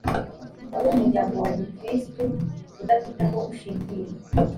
wari umuryango wa gikirisitu udafite aho ushingiye